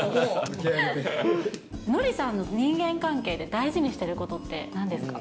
ノリさんの人間関係で大事にしてることってなんですか？